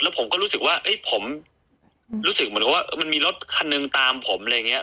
ผมก็รู้สึกว่าผมรู้สึกเหมือนกับว่ามันมีรถคันหนึ่งตามผมอะไรอย่างนี้